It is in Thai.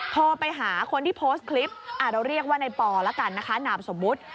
โทรไปหาคนที่โพสต์คลิปเราเรียกว่าในปอแล้วกันนะคะนามสมมุติ